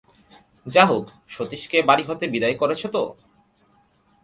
যা হোক, সতীশকে এ বাড়ি হতে বিদায় করেছ তো?